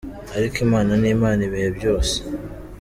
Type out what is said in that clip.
Ariko Imana ni Imana ibihe byose.